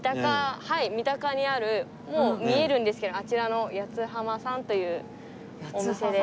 三鷹にあるもう見えるんですけどあちらの八つ浜さんというお店で。